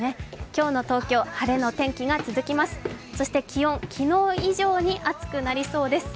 今日の東京、晴れの天気が続きます